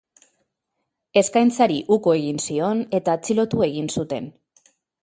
Eskaintzari uko egin zion, eta atxilotu egin zuten.